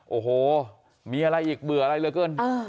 โอ้โหมีอะไรอีกเบื่ออะไรเหลือเกิน